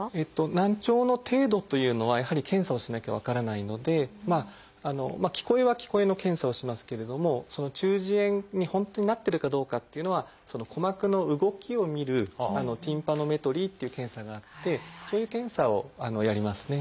難聴の程度というのはやはり検査をしなきゃ分からないので聞こえは聞こえの検査をしますけれども中耳炎に本当になってるかどうかっていうのは鼓膜の動きを見る「ティンパノメトリー」っていう検査があってそういう検査をやりますね。